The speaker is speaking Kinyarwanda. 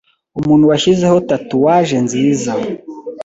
umuntu washyizeho tatuwaje nziza